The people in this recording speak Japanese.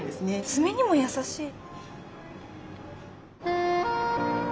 爪にも優しい。